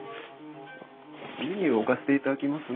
メニュー置かせていただきますね。